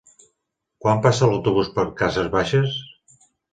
Quan passa l'autobús per Cases Baixes?